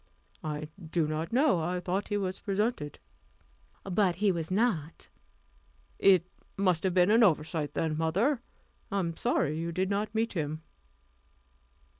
"I do not know. I thought he was presented." "But he was not." "It must have been an oversight then, mother; I am sorry you did not meet him."